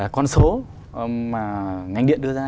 con số mà ngành điện đưa ra